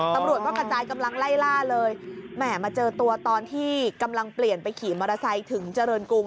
ตำรวจก็กระจายกำลังไล่ล่าเลยแหม่มาเจอตัวตอนที่กำลังเปลี่ยนไปขี่มอเตอร์ไซค์ถึงเจริญกรุง